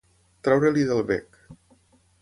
Treure-li del bec.